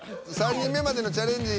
３人目までのチャレンジ